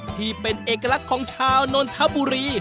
ที่เป็นเอกลักษณ์ของชาวนนทบุรี